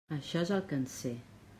Això és el que en sé.